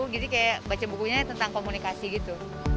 jadi kayak baca bukunya tentang komunikasi gitu